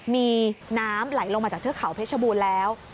มีน้ำไหลลงมาจากเทือกเขาเพชรบูรณ์แล้ว